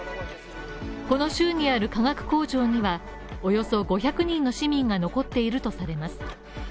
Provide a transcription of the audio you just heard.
この州にある化学工場にはおよそ５００人の市民が残っているとされます